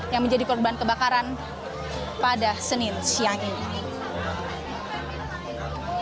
yang menjadi korban kebakaran pada senin siang ini